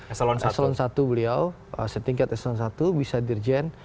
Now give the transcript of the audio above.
esalon i beliau setingkat esalon i bisa dirjen